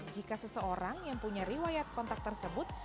jika seseorang yang punya riwayat kontak tersebut